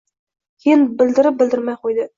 Keyin bildirib-bildirmay qo’ydi.